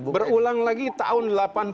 berulang lagi tahun delapan puluh